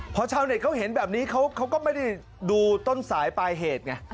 พอชาวเน็ตเขาเห็นแบบนี้เขาก็ไม่ได้ดูต้นสายปลายเหตุไง